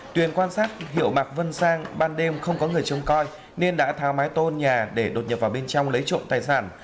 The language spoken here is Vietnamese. tuyền quan sát hiệu mạc vân sang ban đêm không có người trông coi nên đã tháo mái tôn nhà để đột nhập vào bên trong lấy trộm tài sản